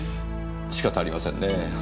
仕方ありませんねぇ。